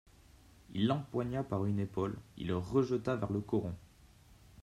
Il l'empoigna par une épaule, il le rejeta vers le coron.